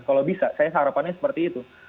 kalau bisa saya harapannya seperti itu